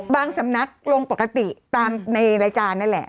สำนักลงปกติตามในรายการนั่นแหละ